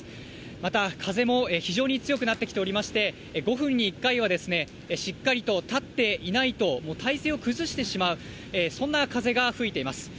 また、風も非常に強くなってきておりまして、５分に１回はしっかりと立っていないと、体勢を崩してしまう、そんな風が吹いています。